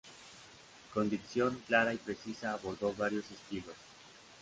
Con dicción clara y precisa abordó varios estilos.